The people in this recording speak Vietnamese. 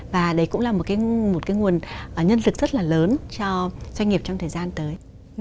và đấy cũng là một cái nguồn nhân lực rất là lớn cho doanh nghiệp trong thời gian tới